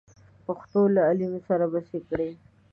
پښتنو له عليم سره پڅې کړې.